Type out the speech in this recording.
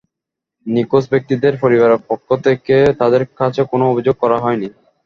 নিখোঁজ ব্যক্তিদের পরিবারের পক্ষ থেকেও তাঁদের কাছে কোনো অভিযোগ করা হয়নি।